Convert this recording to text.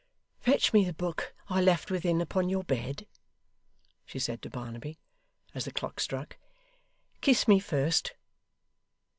'Fetch me the book I left within upon your bed,' she said to Barnaby, as the clock struck. 'Kiss me first.